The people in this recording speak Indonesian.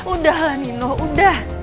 udah lah nino udah